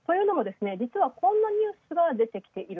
実はこんなニュースが出てきている。